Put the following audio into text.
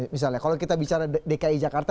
misalnya kalau kita bicara dki jakarta